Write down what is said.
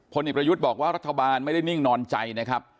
เอกประยุทธ์บอกว่ารัฐบาลไม่ได้นิ่งนอนใจนะครับ